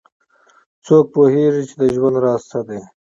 څوک پوهیږي چې د ژوند راز څه ده